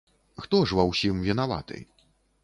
Хто ж ва ўсім вінаваты?